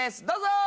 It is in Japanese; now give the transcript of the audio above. どうぞ！